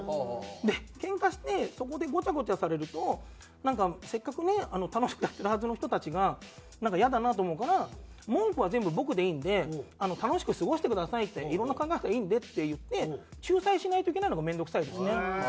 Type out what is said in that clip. でけんかしてそこでゴチャゴチャされるとなんかせっかくね楽しくやってるはずの人たちがイヤだなと思うから「文句は全部僕でいいんで楽しく過ごしてください」「いろんな考えの人がいるんで」って言って仲裁しないといけないのが面倒くさいですね。